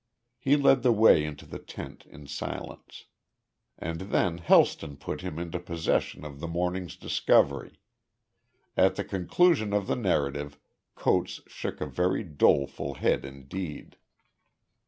He led the way into the tent in silence. And then Helston put him into possession of the morning's discovery. At the conclusion of the narrative Coates shook a very doleful head indeed.